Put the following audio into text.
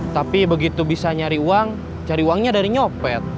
tapi begitu bisa nyari uang cari uangnya dari nyopet